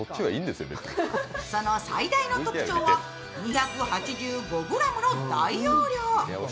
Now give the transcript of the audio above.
その最大の特徴は２８５ｇの大容量。